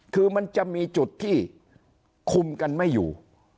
คือมันจะมีจุดที่คุมกันไม่อยู่